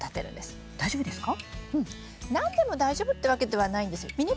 何でも大丈夫ってわけではないんですよ。